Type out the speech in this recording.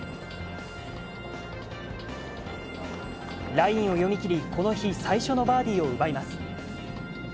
ラインを読みきり、この日、最初のバーディーを奪います。